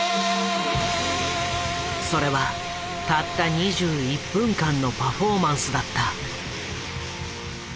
それはたった２１分間のパフォーマンスだった。